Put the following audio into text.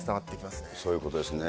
そういうことですね。